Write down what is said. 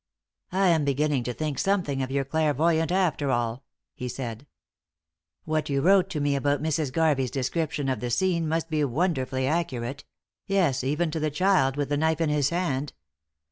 "I am beginning to think something of your clairvoyant after all," he said. "What you wrote to me about Mrs. Garvey's description of the scene must be wonderfully accurate; yes, even to the child with the knife in his hand.